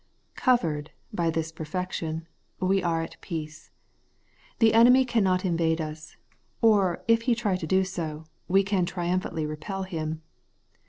Covered by this perfection, we are at peace. The enemy cannot invade us ; or if he try to do so, we can triumphantly repel him.